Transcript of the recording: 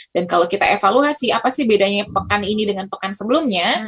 dan kalau kita evaluasi apa sih bedanya pekan ini dengan pekan sebelumnya